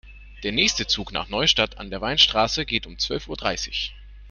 Der nächste Zug nach Neustadt an der Weinstraße geht um zwölf Uhr dreißig